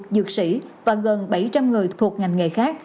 dược sĩ và gần bảy trăm linh người thuộc ngành nghề khác